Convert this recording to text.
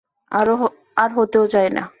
আর হতেও চাই না।